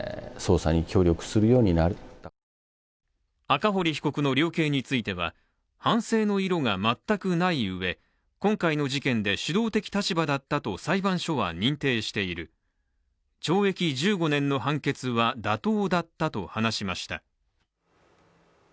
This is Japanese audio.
赤堀被告の量刑については、反省の色が全くないうえ、今回の事件で主導的立場だったと裁判所は認定している、懲役１５年の判決は妥当だったと話しました。